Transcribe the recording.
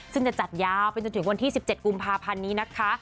ซึ่งจะจัดยาวไปจนถึงวันที่๑๗กุมภาพันธ์นี้นะคะ